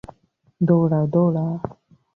দৌড়া, দৌড়া!